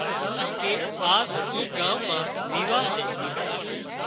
ڪي آز اِي ڳام مان ويواه سي